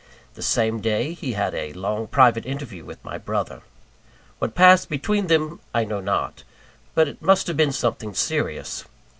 The same day he had a long private interview with my brother. What passed between them, I know not; but it must have been something serious.